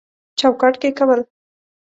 چوکاټ کې کول